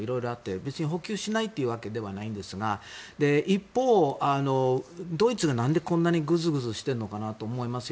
別に補給しやすいというわけではないですが一方、ドイツがなんでこんなにぐずぐずしているのかと思いますよ。